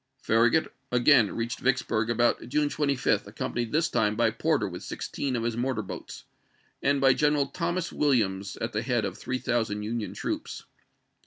Farragut again reached Vicksburg about June 25, accompanied this time by Porter with sixteen of his mortar boats, and by General Thomas Williams at the head of three thousand Union troops.